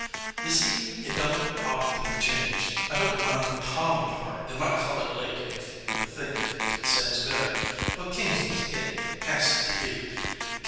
You see, hit don't ought to be changed. I don't mind the pond part: they mought call it lake ef they think it sounds better, but Kingsley's it has to be.